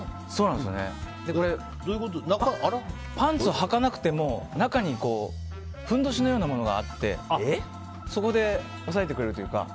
パンツをはかなくても、中にふんどしのようなものがあってそこで押さえてくれるというか。